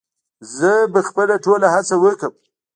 زه به خپله ټوله هڅه وکړم